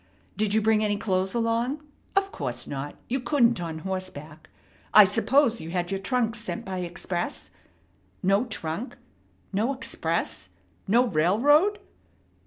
Did you bring any clothes along? Of course not. You couldn't on horseback. I suppose you had your trunk sent by express. No trunk? No express? No railroad?